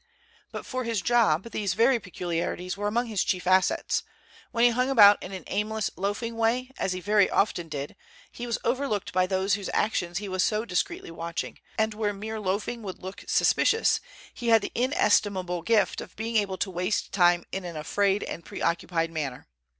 But for his job these very peculiarities were among his chief assets. When he hung about in an aimless, loafing way, as he very often did, he was overlooked by those whose actions he was so discreetly watching, and where mere loafing would look suspicious, he had the inestimable gift of being able to waste time in an affairé and preoccupied manner.